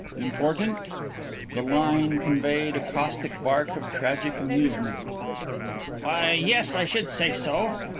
"Important?" The line conveyed a caustic bark of tragic amusement. "Why, yes, I should say so.